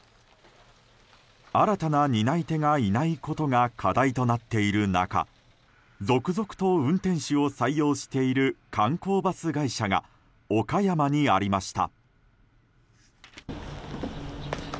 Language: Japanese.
新たな担い手がいないことが課題となっている中続々と運転手を採用している観光バス会社が岡山にありました。